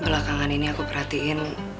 belakangan ini aku perhatiin